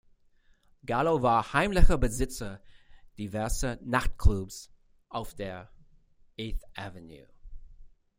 Gallo war heimlicher Besitzer diverser Nachtclubs auf der "Eighth Avenue".